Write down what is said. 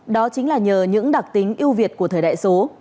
đó chính là nhờ những đặc tính yêu việt của thời đại số